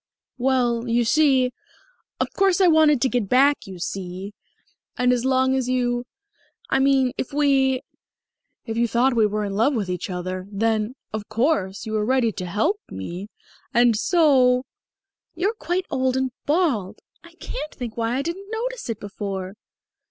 "Well, you see of course I wanted to get back, you see and as long as you I mean if we if you thought we were in love with each other, then, of course, you were ready to help me. And so " "You're quite old and bald. I can't think why I didn't notice it before."